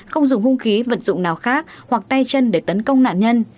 không dùng hung khí vật dụng nào khác hoặc tay chân để tấn công nạn nhân